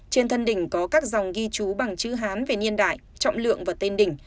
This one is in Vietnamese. trên thân đỉnh có các dòng ghi chú bằng chữ hán về niên đại trọng lượng và tên đỉnh